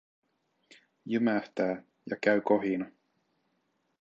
Jymähtää, ja käy kohina.